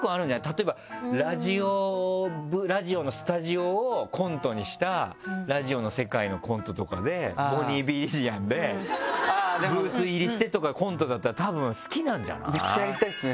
例えばラジオのスタジオをコントにしたラジオの世界のコントとかでボニービリジアンでブース入りしてとかコントだったらたぶん好きなんじゃない？